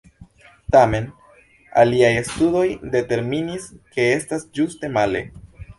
Tamen, aliaj studoj determinis ke estas ĝuste male.